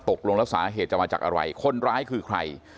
ตกลงแล้วสาเหตุจะมาจากอะไรคนร้ายคือใคร